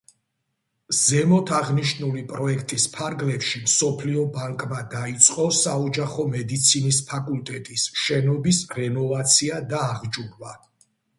ზემოთ აღნიშნული პროექტის ფარგლებში მსოფლიო ბანკმა დაიწყო საოჯახო მედიცინის ფაკულტეტის შენობის რენოვაცია და აღჭურვა.